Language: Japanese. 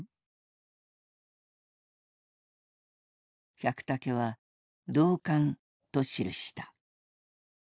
百武は「同感」と記した。